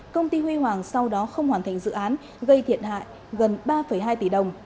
công ty huy hoàng sau đó không hoàn thành dự án gây thiệt hại gần ba hai tỷ đồng